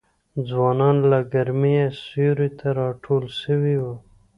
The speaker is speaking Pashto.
ځوانان له ګرمیه سیوري ته راټول سوي وه